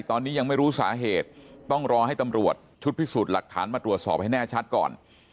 ตอนนี้ยังไม่รู้สาเหตุต้องรอให้ตำรวจชุดพิสูจน์หลักฐานมาตรวจสอบให้แน่ชัดก่อน